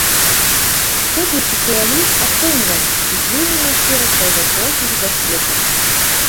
Кожны спецыяліст ацэньвае ўздзеянне на сферу свайго профілю даследаванняў.